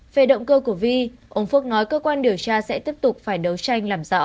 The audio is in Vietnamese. về động cơ của vi ông phước nói cơ quan điều tra sẽ tiếp tục phải đấu tranh làm rõ